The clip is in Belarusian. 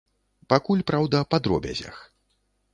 Пакуль, праўда, па дробязях.